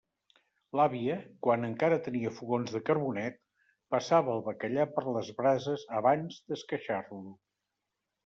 L'àvia, quan encara tenia fogons de carbonet, passava el bacallà per les brases abans d'esqueixar-lo.